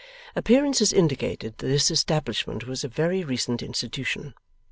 Appearances indicated that this establishment was a very recent institution.